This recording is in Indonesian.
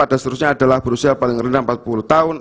dan seterusnya adalah berusia paling rendah empat puluh tahun